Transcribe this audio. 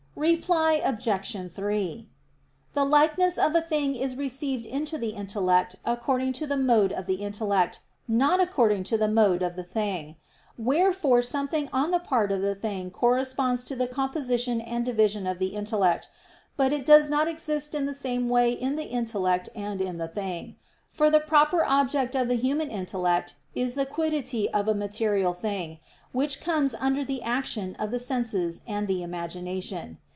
Reply Obj. 3: The likeness of a thing is received into the intellect according to the mode of the intellect, not according to the mode of the thing. Wherefore something on the part of the thing corresponds to the composition and division of the intellect; but it does not exist in the same way in the intellect and in the thing. For the proper object of the human intellect is the quiddity of a material thing, which comes under the action of the senses and the imagination.